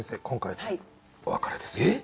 今回でお別れです。